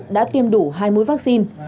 đã tiêm đủ hai mũi vaccine